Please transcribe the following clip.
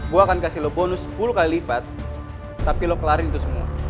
gue akan kasih lo bonus sepuluh kali lipat tapi lo kelarin itu semua